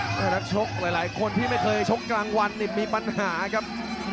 แล้วเล่านักชกหลายคนที่ไม่เคยช็อกตรงกลางวันมีปัญหาครับ